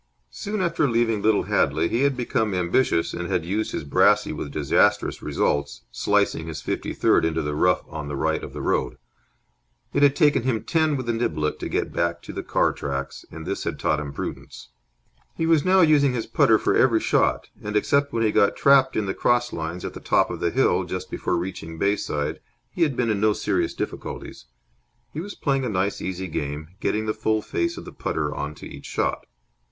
Soon after leaving Little Hadley he had become ambitious and had used his brassey with disastrous results, slicing his fifty third into the rough on the right of the road. It had taken him ten with the niblick to get back on to the car tracks, and this had taught him prudence. He was now using his putter for every shot, and, except when he got trapped in the cross lines at the top of the hill just before reaching Bayside, he had been in no serious difficulties. He was playing a nice easy game, getting the full face of the putter on to each shot.